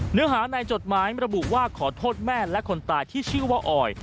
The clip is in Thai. เนื้อหาในจดหมายระบุว่าขอโทษแม่และคนตายที่ชื่อว่าออย